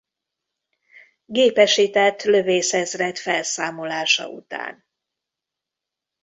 Gépesített Lövészezred felszámolása után.